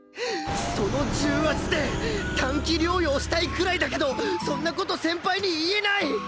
その重圧で短期療養したいくらいだけどそんな事先輩に言えない！